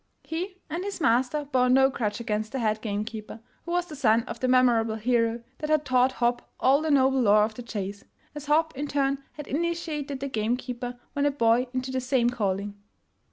He and his master bore no grudge against the head game keeper, who was the son of the memorable hero that had taught Hopp all the noble lore of the chase, as Hopp in turn had initiated the game keeper when a boy into the same calling.